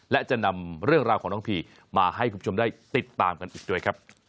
และจะนำเรื่องราวของน้องพีมาให้คุณผู้ชมได้ติดตามกันอีกด้วยครับ